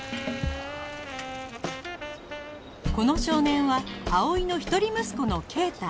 この少年は葵の一人息子の圭太